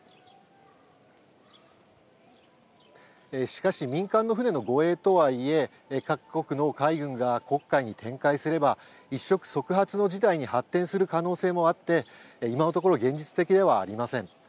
しかし民間の船の護衛とはいえ各国の海軍が黒海に展開すれば一触即発の事態に発展する可能性もあって今のところ現実的ではありません。